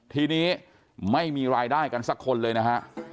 ทีนี้ไม่มีรายได้กันสักคนเลยนะฮะ